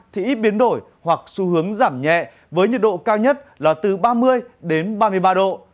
thì ít biến đổi hoặc xu hướng giảm nhẹ với nhiệt độ cao nhất là từ ba mươi đến ba mươi ba độ